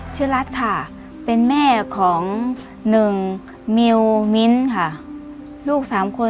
รัฐค่ะเป็นแม่ของหนึ่งมิวมิ้นค่ะลูกสามคน